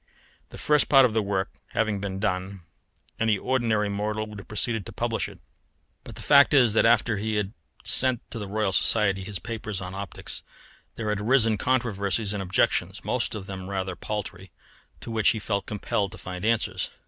The first part of the work having been done, any ordinary mortal would have proceeded to publish it; but the fact is that after he had sent to the Royal Society his papers on optics, there had arisen controversies and objections; most of them rather paltry, to which he felt compelled to find answers.